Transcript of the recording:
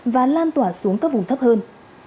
và lan tỏa xuống các vùng thấp hơn